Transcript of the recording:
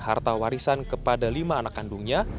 harta warisan kepada lima anak kandungnya